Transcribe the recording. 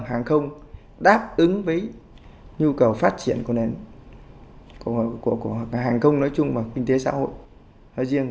làm hàng không đáp ứng với nhu cầu phát triển của hàng không nói chung và kinh tế xã hội nói riêng